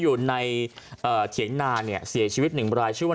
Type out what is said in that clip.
อยู่ในเอ่อเถียงนาเนี่ยเสียชีวิตหนึ่งรายชื่อว่า